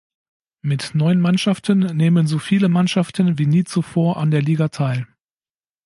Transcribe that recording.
Mit neun Mannschaften nehmen so viele Mannschaften wie nie zuvor an der Liga teil.